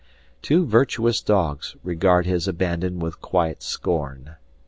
Two virtuous dogs regard his abandon with quiet scorn.